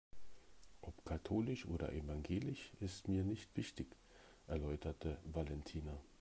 Ob katholisch oder evangelisch ist mir nicht wichtig, erläuterte Valentina.